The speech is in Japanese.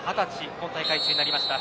今大会中になりました。